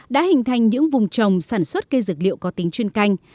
đã hình thành những vùng trồng sản xuất cây dược liệu có tính chuyên canh